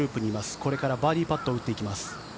これからバーディーパットを打っていきます。